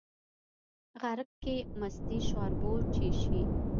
غرک کې مستې شاربو، چې شي